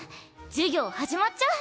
授業始まっちゃう。